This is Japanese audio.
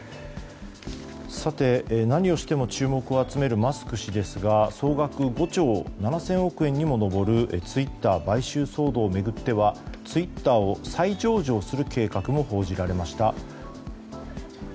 さて、何をしても注目を集めるマスク氏ですが総額５兆７０００億円にも上るツイッター買収騒動を巡ってはツイッターを再上場する計画も報じられました。